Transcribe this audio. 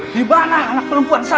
di mana anak perempuan saya